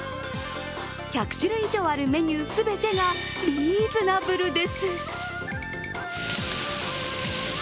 １００種類以上あるメニュー全てがリーズナブルです。